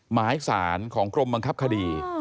หมายสารของกรมบังคับคดี